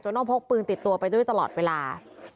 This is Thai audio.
ต้องพกปืนติดตัวไปด้วยตลอดเวลา